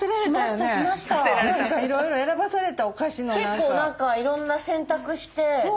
結構何かいろんな選択して。